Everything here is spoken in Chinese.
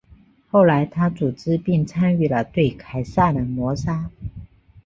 后来他组织并参与了对凯撒的谋杀。